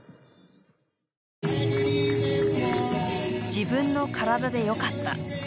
「自分の体でよかった」。